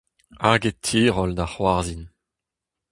Hag e tiroll da c'hoarzhin.